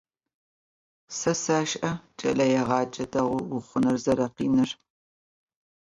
Se seş'e ç'eleêğece değu vuxhunır zerekhinır.